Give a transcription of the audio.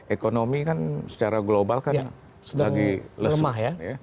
ekonomi kan secara global sedang remah